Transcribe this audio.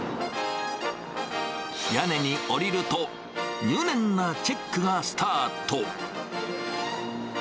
屋根におりると、入念なチェックがスタート。